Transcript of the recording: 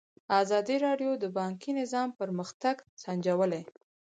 ازادي راډیو د بانکي نظام پرمختګ سنجولی.